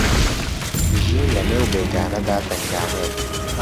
ژین لە نێو بێگانەدا تەنگانەیە